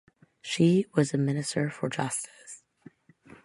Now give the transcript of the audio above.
She was the Minister for Justice.